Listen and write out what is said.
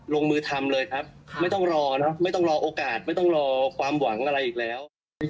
ลงมือทำเลยครับไม่ต้องรอนะครับไม่ต้องรอโอกาสไม่ต้องรอความหวังอะไรอีกแล้ว